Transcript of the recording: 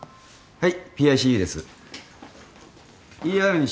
はい。